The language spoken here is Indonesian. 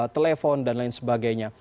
telepon dan lain sebagainya